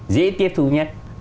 dễ tiếp thu nhất